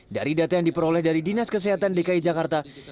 dari data yang diperoleh dari dinas kesehatan dki jakarta